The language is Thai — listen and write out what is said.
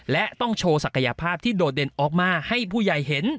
และต้องโชว์ศักยภาพที่โดดเด่นออกมาให้ผู้ใหญ่เห็น